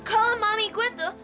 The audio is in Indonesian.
kalau mami gue tuh